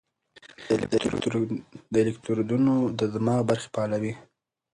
دا الکترودونه د دماغ برخې فعالوي.